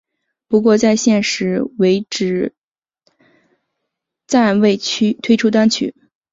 不过在现时为止暂未推出单曲。